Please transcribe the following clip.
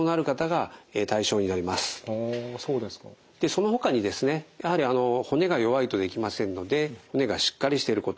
そのほかにですねやはり骨が弱いとできませんので骨がしっかりしていること